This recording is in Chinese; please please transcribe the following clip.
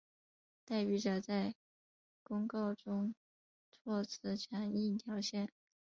代笔者在公告中措辞强硬挑衅。